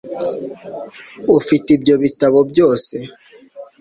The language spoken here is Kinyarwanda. Ufite ibyo bitabo byose